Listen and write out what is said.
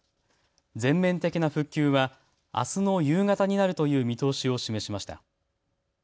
全面的な復旧はあすの夕方になるという見通しを示しました。